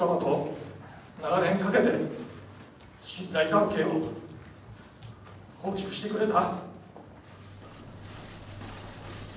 お客様と長年かけて信頼関係を構築してくれた。